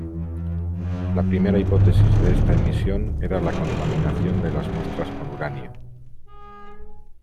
La primera hipótesis de esta emisión era la contaminación de las muestras con uranio.